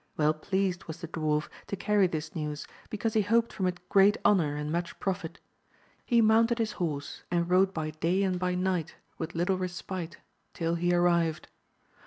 Well pleased was the dwarf to carry this news, because he hoped from it great honour and much profit. He mounted his horse, and rode by day and by night with little respite till he arrived.